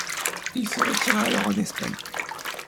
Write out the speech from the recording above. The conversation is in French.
Il se retira alors en Espagne.